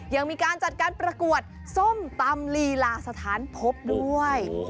ยังมีการจัดการประกวดส้มตำลีลาสถานพบด้วย